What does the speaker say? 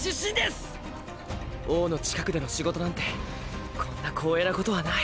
王の近くでの仕事なんてこんな光栄なことはない。